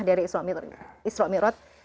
dari isra' mi'raj